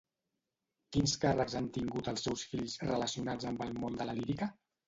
Quins càrrecs han tingut els seus fills relacionats amb el món de la lírica?